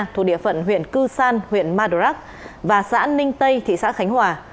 thuộc địa phận huyện cư san huyện madrak và xã ninh tây thị xã khánh hòa